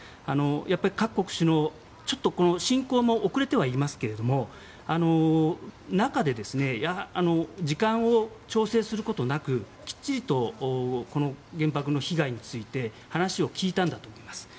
やっぱり各国首脳、ちょっと進行も遅れてはいますけれども中で時間を調整することなくきっちりと原爆の被害について話を聞いたんだと思います。